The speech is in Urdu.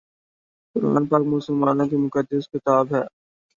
قرآن پاک مسلمانوں کی مقدس کتاب ہے